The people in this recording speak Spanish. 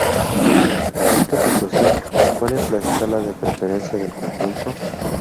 En esta situación ¿cuál es la escala de preferencia del conjunto?